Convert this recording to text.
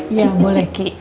iya boleh ki